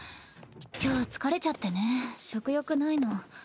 今日疲れちゃってね食欲ないの。